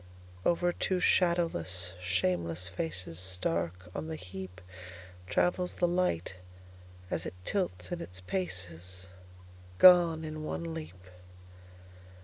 Over two shadowless, shameless facesStark on the heapTravels the light as it tilts in its pacesGone in one leap.